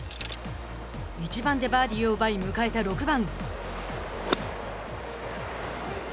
１番でバーディーを奪い迎えた６番。